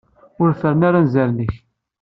Ur ferren ara anzaren-ik!